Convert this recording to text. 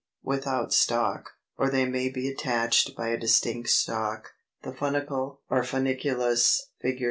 without stalk, or they may be attached by a distinct stalk, the FUNICLE or FUNICULUS (Fig.